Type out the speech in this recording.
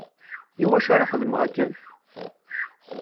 Iwacu ara xedmeɣ akken?